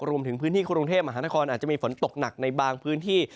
รวมถึงพื้นที่กรุงเทพมหานครอาจจะมีฝนตกหนักในบางพื้นที่